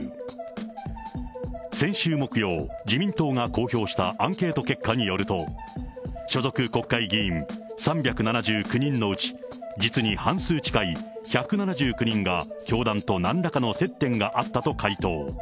先週木曜、自民党が公表したアンケート結果によると、所属国会議員３７９人のうち、実に半数近い１７９人が、教団となんらかの接点があったと回答。